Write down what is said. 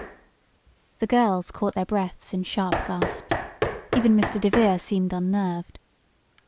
The girls caught their breaths in sharp gasps. Even Mr. DeVere seemed unnerved.